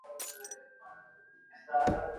د پښتو د پیاوړتیا لپاره باید ډېر زیار وایستل سي.